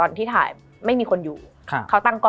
มันทำให้ชีวิตผู้มันไปไม่รอด